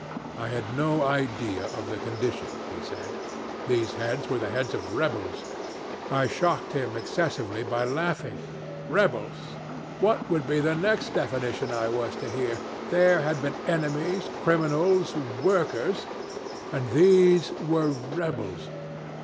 I had no idea of the conditions, he said: these heads were the heads of rebels. I shocked him excessively by laughing. Rebels! What would be the next definition I was to hear? There had been enemies, criminals, workers and these were rebels.